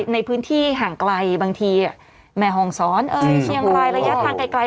ในพื้นที่ห่างไกลบางทีแม่ห้องศรเชียงรายระยะทางไกล